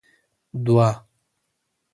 دوه